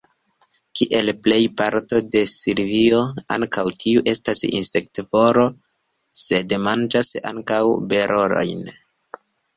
Kiel plej parto de silvioj, ankaŭ tiu estas insektovora, sed manĝas ankaŭ berojn.